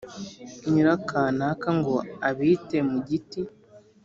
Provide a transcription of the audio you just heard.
Nyirakanaka ngo abite mu giti